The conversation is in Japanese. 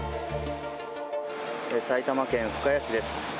埼玉県深谷市です。